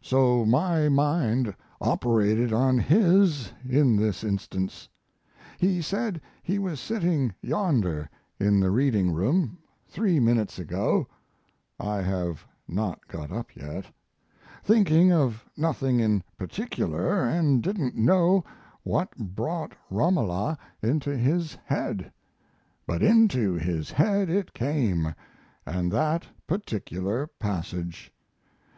So my mind operated on his in this instance. He said he was sitting yonder in the reading room, three minutes ago (I have not got up yet), thinking of nothing in particular, and didn't know what brought Romola into his head; but into his head it came and that particular passage.